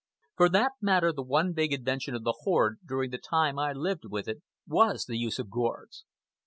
For that matter, the one big invention of the horde, during the time I lived with it, was the use of gourds.